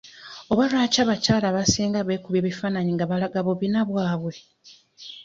Oba lwaki abakyala abasinga beekubya ebifaananyi nga balaga bubina bwabwe?